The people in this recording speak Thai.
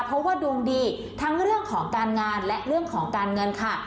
เพราะว่าดวงดีทั้งเรื่องของการงานและเรื่องของการเงินค่ะ